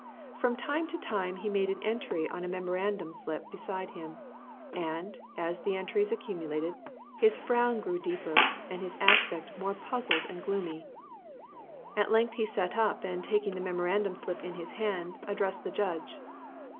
From time to time he made an entry on a memorandum slip beside him, and, as the entries accumulated, his frown grew deeper and his aspect more puzzled and gloomy. At length he sat up, and taking the memorandum slip in his hand, addressed the judge.